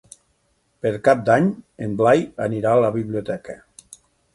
Per Cap d'Any en Blai anirà a la biblioteca.